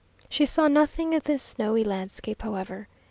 She saw nothing of the snowy landscape, however.